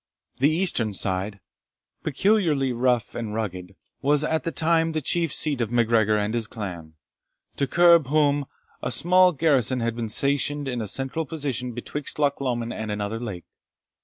The eastern side, peculiarly rough and rugged, was at this time the chief seat of MacGregor and his clan, to curb whom, a small garrison had been stationed in a central position betwixt Loch Lomond and another lake.